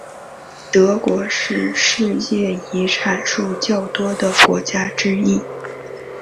德国是世界遗产数较多的国家之一。